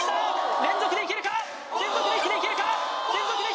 連続でいけるか連続で一気にいけるか？